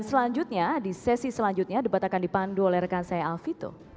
dan selanjutnya di sesi selanjutnya debat akan dipandu oleh rekan saya alfito